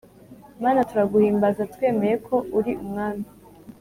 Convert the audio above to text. Mana turaguhimbaza twemeye ko uri umwami